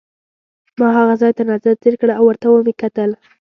ما هغه ځای تر نظر تېر کړ او ورته مې وکتل.